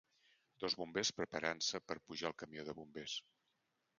Dos bombers preparant-se per pujar al camió de bombers.